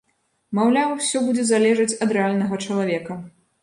Маўляў, усё будзе залежаць ад рэальнага чалавека.